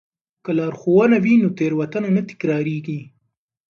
که لارښوونه وي نو تېروتنه نه تکراریږي.